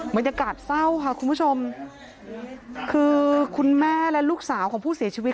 บรรยากาศเศร้าค่ะคุณผู้ชมคือคุณแม่และลูกสาวของผู้เสียชีวิต